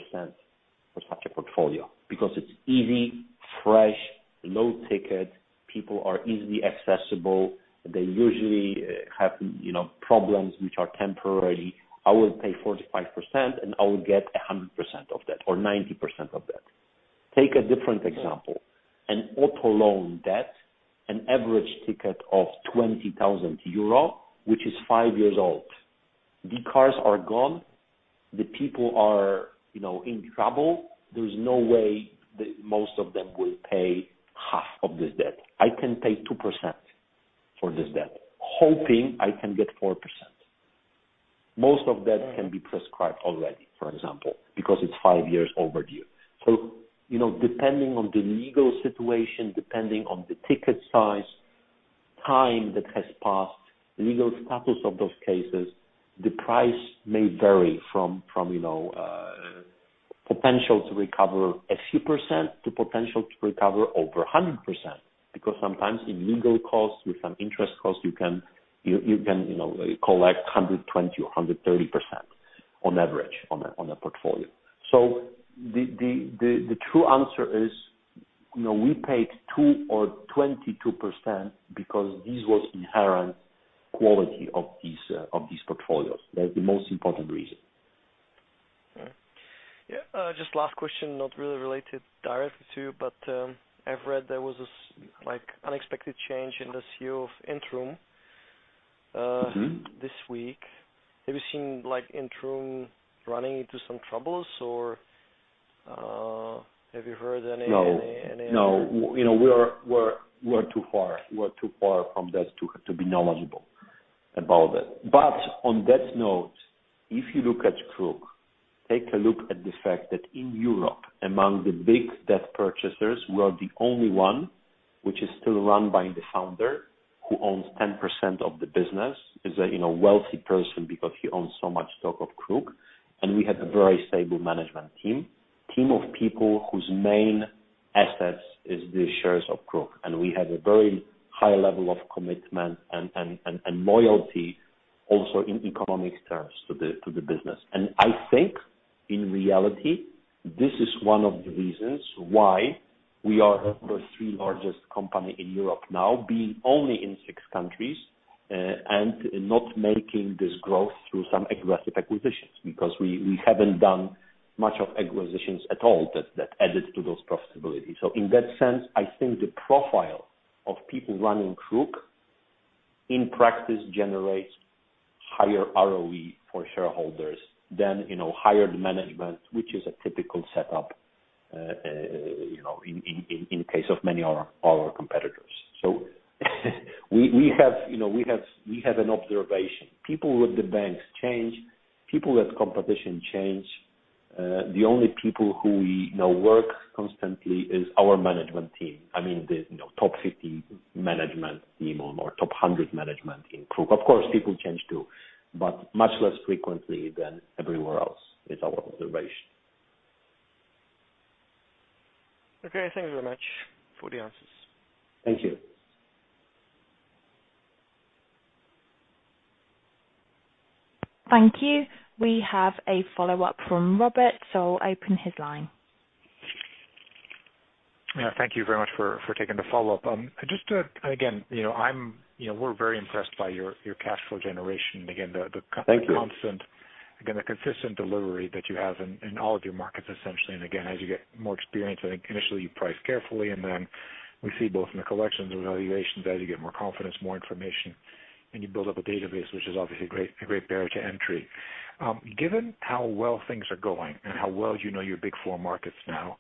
such a portfolio because it's easy, fresh, low ticket, people are easily accessible. They usually have, you know, problems which are temporary. I will pay 45% and I will get 100% of that or 90% of that. Take a different example. An auto loan debt, an average ticket of 20,000 euro, which is five years old. The cars are gone. The people are, you know, in trouble. There's no way the most of them will pay half of this debt. I can pay 2% for this debt, hoping I can get 4%. Most of that can be prescribed already, for example, because it's five years overdue. You know, depending on the legal situation, depending on the ticket size, time that has passed, legal status of those cases, the price may vary from, you know, potential to recover a few percent to potential to recover over 100%. Because sometimes in legal costs, with some interest costs, you can, you know, collect 120% or 130% on average on a portfolio. The true answer is, you know, we paid 2% or 22% because this was inherent quality of these portfolios. That's the most important reason. Yeah. Just last question, not really related directly to, but, I've read there was this like unexpected change in the CEO of Intrum. Mm-hmm. This week. Have you seen like Intrum running into some troubles or, have you heard any? No. No. You know, we're too far from that to be knowledgeable about it. On that note, if you look at KRUK, take a look at the fact that in Europe, among the big debt purchasers, we are the only one which is still run by the founder, who owns 10% of the business, is a, you know, wealthy person because he owns so much stock of KRUK, and we have a very stable management team. Team of people whose main assets is the shares of KRUK. We have a very high level of commitment and loyalty also in economic terms to the business. I think in reality, this is one of the reasons why we are the third largest company in Europe now being only in six countries, and not making this growth through some aggressive acquisitions, because we haven't done much of acquisitions at all that added to those profitability. In that sense, I think the profile of people running KRUK in practice generates higher ROE for shareholders than, you know, hired management, which is a typical setup, you know, in case of many of our competitors. We have, you know, an observation. People at the banks change, people at the competition change. The only people who we know work constantly is our management team. I mean, the, you know, top 50 management team or top 100 management in KRUK. Of course, people change too, but much less frequently than everywhere else is our observation. Okay. Thank you very much for the answers. Thank you. Thank you. We have a follow-up from Robert, so I'll open his line. Yeah, thank you very much for taking the follow-up. Again, you know, I'm, you know, we're very impressed by your cash flow generation. Thank you. Again, the consistent delivery that you have in all of your markets, essentially. Again, as you get more experience, I think initially you price carefully, and then we see both in the collections and valuations, as you get more confidence, more information, and you build up a database, which is obviously a great barrier to entry. Given how well things are going and how well you know your big four markets now,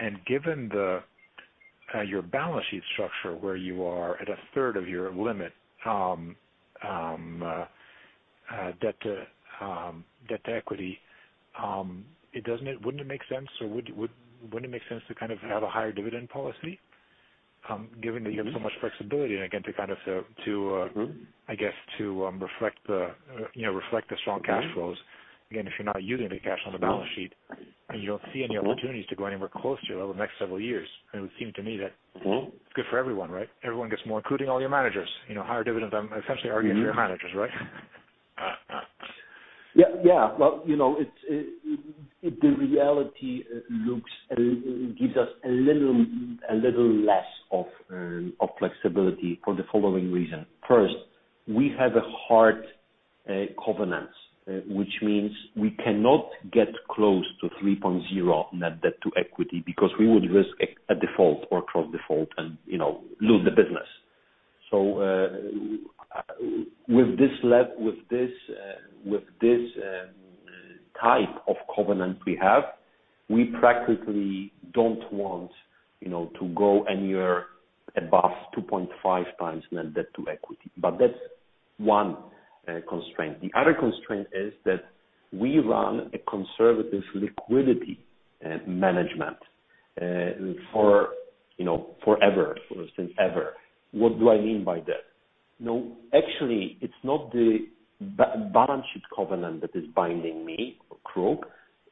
and given your balance sheet structure, where you are at a third of your limit, debt to equity, wouldn't it make sense to kind of have a higher dividend policy, given that you have so much flexibility and again, to kind of I guess to reflect you know reflect the strong cash flows? Again, if you're not using the cash on the balance sheet, and you don't see any opportunities to go anywhere close to it over the next several years, it would seem to me that. Mm-hmm. Good for everyone, right? Everyone gets more, including all your managers. You know, higher dividends, essentially are given to your managers, right? Well, you know, the reality looks and gives us a little less of flexibility for the following reason. First, we have hard covenants, which means we cannot get close to 3.0 net debt to equity because we would risk a default or cross default and, you know, lose the business. With this type of covenant we have, we practically don't want, you know, to go anywhere above 2.5x net debt to equity. That's one constraint. The other constraint is that we run a conservative liquidity management for, you know, forever, since ever. What do I mean by that? You know, actually, it's not the balance sheet covenant that is binding me or KRUK.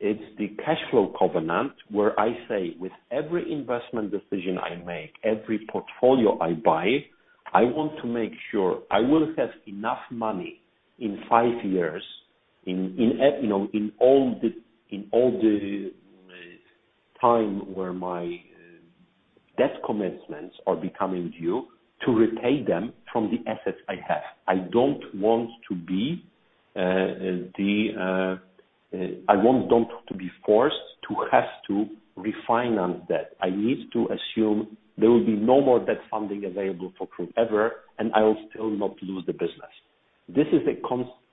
It's the cash flow covenant where I say, with every investment decision I make, every portfolio I buy, I want to make sure I will have enough money in five years' time where my debt commitments are becoming due to repay them from the assets I have. I don't want to be forced to have to refinance debt. I need to assume there will be no more debt funding available for KRUK ever, and I will still not lose the business. This is a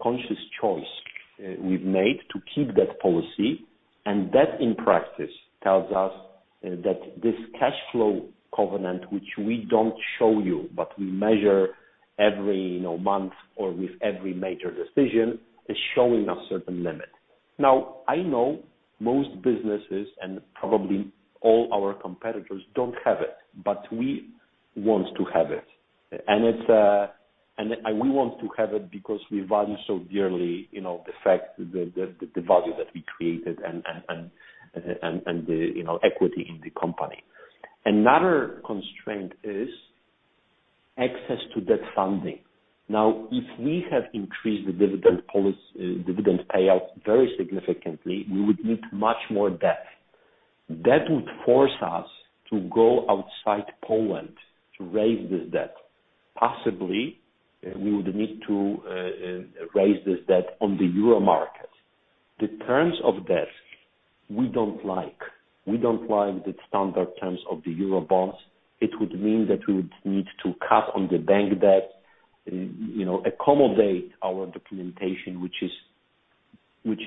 conscious choice we've made to keep that policy, and that in practice tells us that this cash flow covenant, which we don't show you, but we measure every, you know, month or with every major decision, is showing a certain limit. Now, I know most businesses and probably all our competitors don't have it, but we want to have it. It's and we want to have it because we value so dearly, you know, the fact the value that we created and the, you know, equity in the company. Another constraint is access to debt funding. Now, if we have increased the dividend policy, dividend payout very significantly, we would need much more debt. That would force us to go outside Poland to raise this debt. Possibly, we would need to raise this debt on the euro market. The terms of debt, we don't like. We don't like the standard terms of the euro bonds. It would mean that we would need to cut on the bank debt, you know, accommodate our documentation, which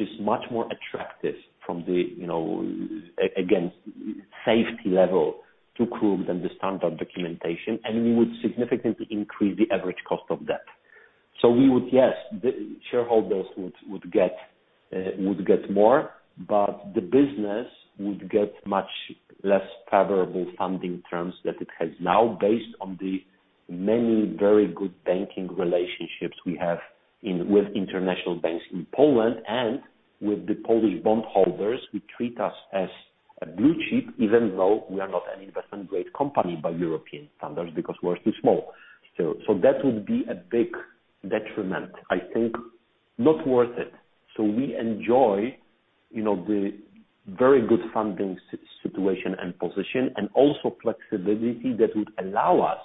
is much more attractive from the, you know, against safety level to KRUK than the standard documentation. We would significantly increase the average cost of debt. We would, yes, the shareholders would get more, but the business would get much less favorable funding terms that it has now based on the many very good banking relationships we have with international banks in Poland and with the Polish bondholders who treat us as a blue-chip, even though we are not an investment-grade company by European standards because we're too small. That would be a big detriment. I think not worth it. We enjoy, you know, the very good funding situation and position and also flexibility that would allow us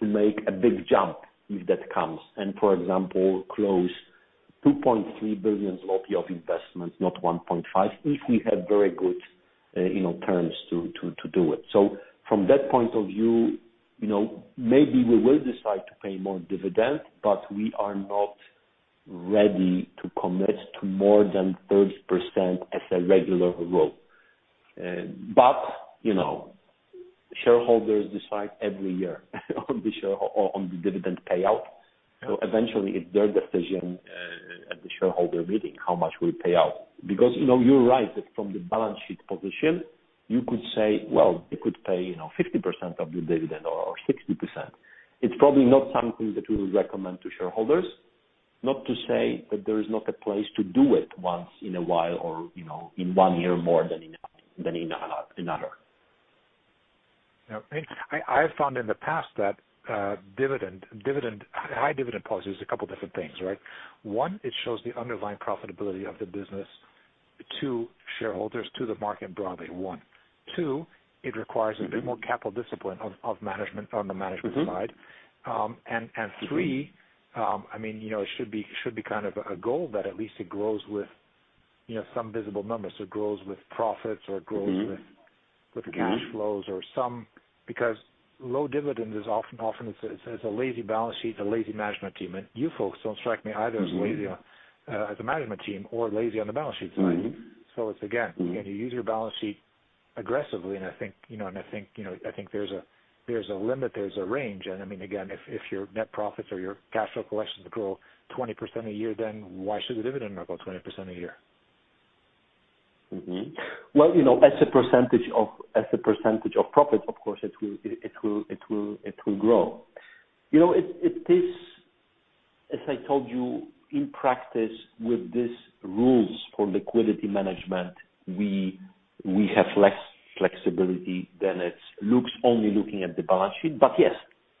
to make a big jump if that comes and, for example, close 2.3 billion of investments, not 1.5, if we had very good, you know, terms to do it. From that point of view, you know, maybe we will decide to pay more dividend, but we are not ready to commit to more than 30% as a regular rule. But, you know, shareholders decide every year on the dividend payout. Eventually it's their decision at the shareholder meeting, how much we pay out. Because, you know, you're right, that from the balance sheet position, you could say, well, you could pay, you know, 50% of your dividend or 60%. It's probably not something that we would recommend to shareholders. Not to say that there is not a place to do it once in a while or, you know, in one year more than in another. Yeah. I found in the past that high dividend policies, a couple different things, right? One, it shows the underlying profitability of the business to shareholders, to the market broadly. Two, it requires. Mm-hmm. A bit more capital discipline of management on the management side. Mm-hmm. I mean, you know, it should be kind of a goal that at least it grows with, you know, some visible numbers. Grows with profits or grows with cash flows or some. Mm-hmm. Because low dividend is often, it's a lazy balance sheet, a lazy management team. You folks don't strike me either as lazy on as a management team or lazy on the balance sheet side. Mm-hmm. It's again. Mm-hmm. You use your balance sheet aggressively and I think, you know, there's a limit, there's a range. I mean, again, if your net profits or your cash flow collections grow 20% a year, then why should the dividend not grow 20% a year? Well, you know, as a percentage of profit, of course it will grow. You know, it is, as I told you, in practice with these rules for liquidity management, we have less flexibility than it looks only looking at the balance sheet. But yes,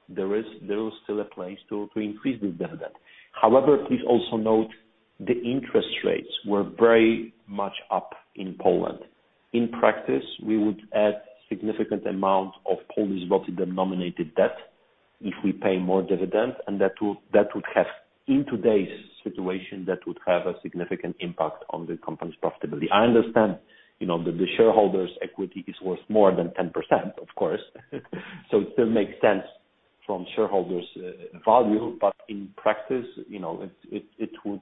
there is still a place to increase the dividend. However, please also note the interest rates were very much up in Poland. In practice, we would add significant amount of Polish zloty-denominated debt if we pay more dividend, and that would have, in today's situation, a significant impact on the company's profitability. I understand, you know, that the shareholders' equity is worth more than 10%, of course. It still makes sense from shareholders' value. In practice, you know, it would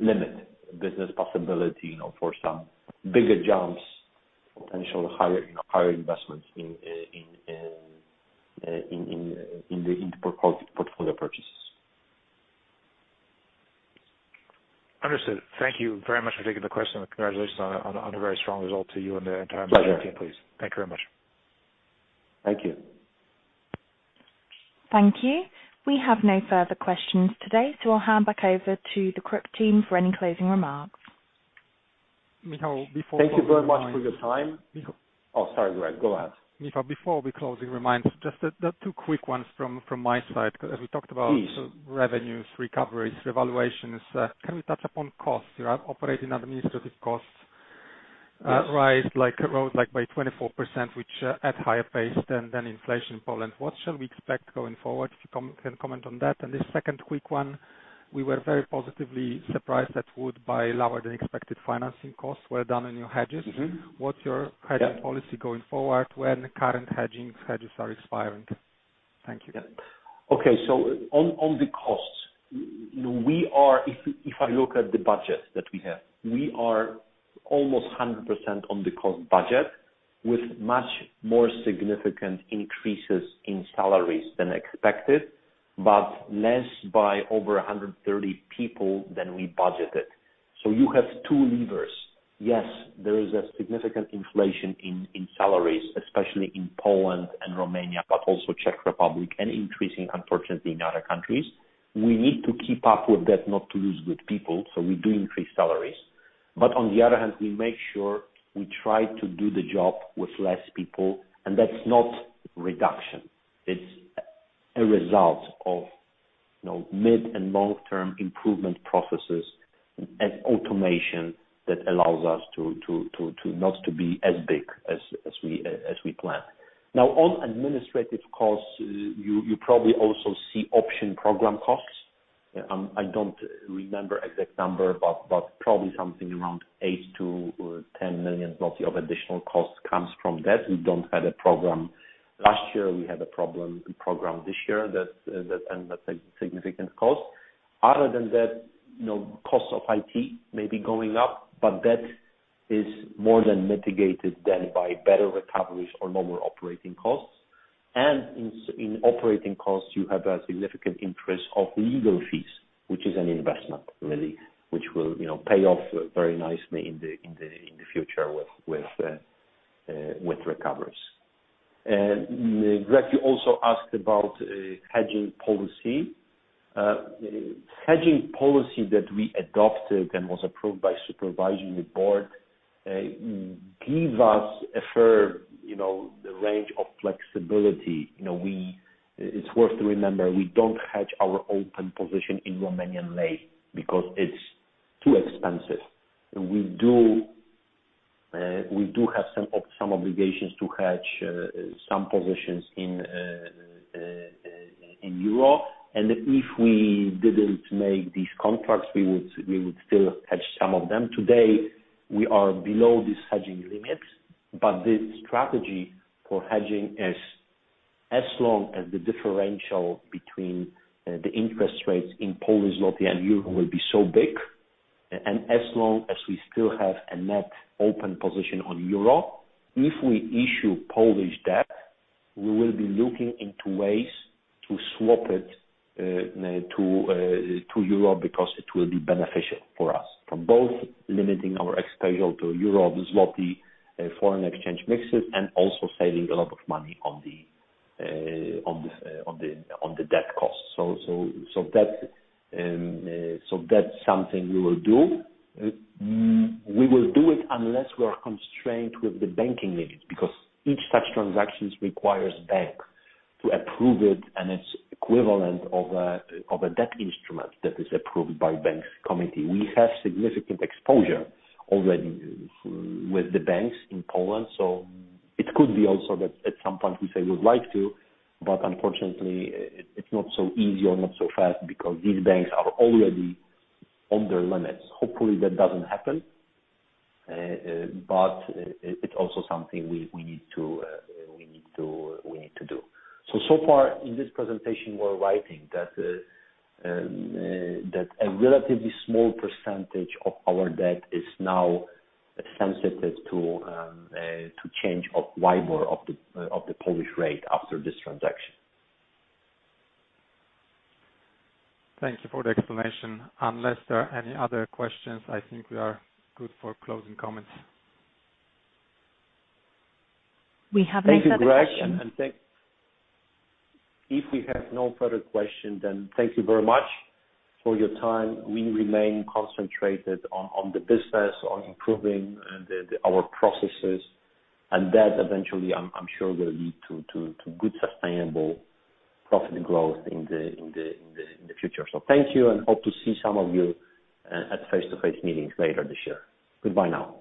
limit business possibility, you know, for some bigger players, potentially higher, you know, higher investments in the portfolio purchases. Understood. Thank you very much for taking the question. Congratulations on a very strong result to you and the entire management team, please. Pleasure. Thank you very much. Thank you. Thank you. We have no further questions today, so I'll hand back over to the KRUK team for any closing remarks. Michał, before- Thank you very much for your time. Michal- Oh, sorry, Greg. Go ahead. Michał, before we close the remarks, just, the two quick ones from my side. As we talked about- Please. -revenues, recoveries, valuations, can we touch upon costs? Your operating administrative costs- Yes. -rose like by 24%, which at higher pace than inflation in Poland. What shall we expect going forward? If you can comment on that. The second quick one, we were very positively surprised by lower than expected financing costs. Well done on your hedges. Mm-hmm. What's your hedging policy going forward when current hedges are expiring? Thank you. Yeah. Okay. On the costs, you know, we are, if I look at the budget that we have, we are almost 100% on the cost budget with much more significant increases in salaries than expected, but less by over 130 people than we budgeted. You have two levers. Yes, there is a significant inflation in salaries, especially in Poland and Romania, but also Czech Republic and increasing, unfortunately, in other countries. We need to keep up with that not to lose good people, so we do increase salaries. On the other hand, we make sure we try to do the job with less people. That's not reduction. It's a result of, you know, mid and long-term improvement processes and automation that allows us to not be as big as we plan. Now, on administrative costs, you probably also see option program costs. I don't remember exact number, but probably something around 8 million-10 million of additional cost comes from that. We don't have a program. Last year we had a program this year that that's a significant cost. Other than that, you know, cost of IT may be going up, but that is more than mitigated than by better recoveries or lower operating costs. In operating costs, you have a significant increase of legal fees, which is an investment really, which will, you know, pay off very nicely in the future with recoveries. Greg, you also asked about hedging policy. Hedging policy that we adopted and was approved by Supervisory Board gives us a firm, you know, range of flexibility. You know, it's worth remembering, we don't hedge our open position in Romanian lei because it's too expensive. We do have some obligations to hedge some positions in euro. If we didn't make these contracts, we would still hedge some of them. Today, we are below this hedging limits. This strategy for hedging is as long as the differential between the interest rates in Polish zloty and euro will be so big, and as long as we still have a net open position on euro, if we issue Polish debt, we will be looking into ways to swap it to euro because it will be beneficial for us. Limiting our exposure to euro, the zloty, foreign exchange risks, and also saving a lot of money on the debt cost. That's something we will do. We will do it unless we are constrained with the banking limit, because each such transaction requires the bank to approve it and it's equivalent of a debt instrument that is approved by the banks' committee. We have significant exposure already with the banks in Poland, so it could be also that at some point we say we'd like to, but unfortunately it's not so easy or not so fast because these banks are already on their limits. Hopefully, that doesn't happen. It's also something we need to do. So far in this presentation, we're writing that a relatively small percentage of our debt is now sensitive to change of WIBOR of the Polish rate after this transaction. Thanks for the explanation. Unless there are any other questions, I think we are good for closing comments. We have no further question. Thank you, Greg. If we have no further question, then thank you very much for your time. We remain concentrated on the business, on improving our processes. That eventually I'm sure will lead to good sustainable profit growth in the future. Thank you, and hope to see some of you at face-to-face meetings later this year. Goodbye now.